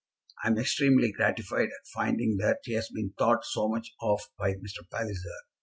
"I am extremely gratified at finding that she has been thought so much of by Mr. Palliser.